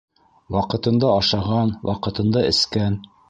Ваҡытында ашаған, ваҡытында эскән.